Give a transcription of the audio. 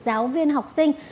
giáo viên học sinh